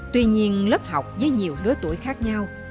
tuy nhiên lớp học với nhiều đứa tuổi khác nhau